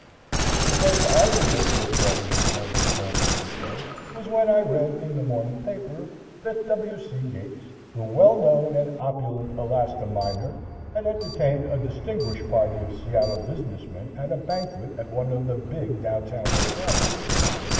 The first I knew of Swiftwater's return from San Francisco was when I read in the morning paper that "W. C. Gates, the well known and opulent Alaska miner," had entertained a distinguished party of Seattle business men at a banquet at one of the big down town hotels.